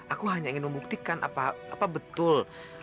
aku hanya ingin membuktikan apa betul